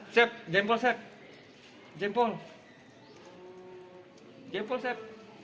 sep jempol sep jempol jempol sep